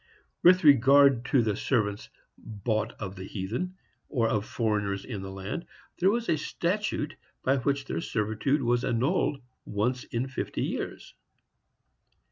With regard to the servants bought of the heathen, or of foreigners in the land, there was a statute by which their servitude was annulled once in fifty years.